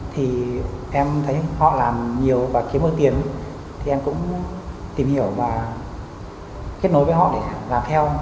thì em thấy họ làm nhiều và kiếm được tiền thì em cũng tìm hiểu và kết nối với họ để làm theo